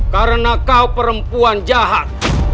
karena kau perempuan jahat